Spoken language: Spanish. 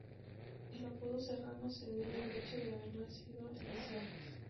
El apodo Serrano, se debe al hecho de haber nacido en las sierras.